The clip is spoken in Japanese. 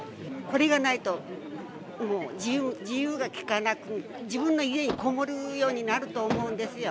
これがないと、もう自由が利かなく、自分の家に籠もるようになると思うんですよ。